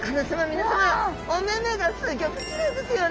皆さまお目々がすギョくきれいですよね。